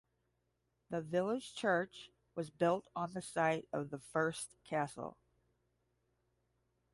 The village church was built on the site of the first castle.